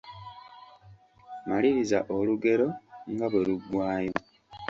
Maliriza olugero nga bwe luggwayo.